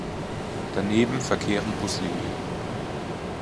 Daneben verkehren Buslinien.